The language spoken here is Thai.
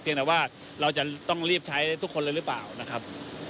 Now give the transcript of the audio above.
ยังแต่ว่าเราจะต้องรีบใช้ทุกคนเลยหรือเปล่านะครับ